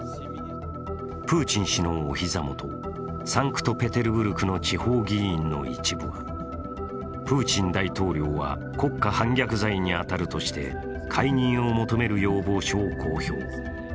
プーチン氏のお膝元、サンクトペテルブルクの地方議員の一部は、プーチン大統領は国家反逆罪に当たるとして解任を求める要望書を公表。